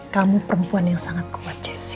kamu perempuan yang sangat kuat jessi